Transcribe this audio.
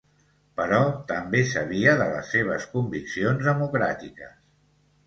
Però també sabia de les seves conviccions democràtiques.